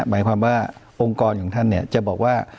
หมายความว่าองค์กรของท่านจะบอกว่า